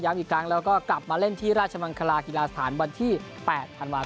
อีกครั้งแล้วก็กลับมาเล่นที่ราชมังคลากีฬาสถานวันที่๘ธันวาคม